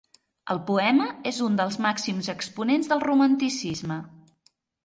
El poema és un dels màxims exponents del romanticisme.